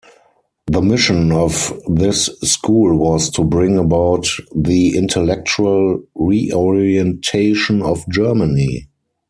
The mission of this school was to bring about the intellectual reorientation of Germany.